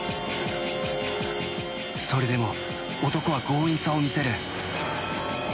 それでも男は強引さを見せる。